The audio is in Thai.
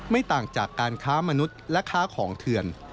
ไม่ต่างจากการค้ามนุษย์และค้าของเถื่อน